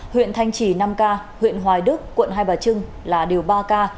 huyện thanh trì năm ca huyện hoài đức quận hai bà trưng là điều ba ca